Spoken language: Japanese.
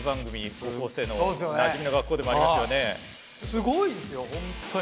すごいですよ本当に。